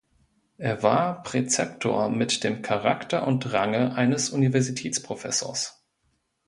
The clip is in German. Er war Präzeptor mit dem Charakter und Range eines Universitätsprofessors.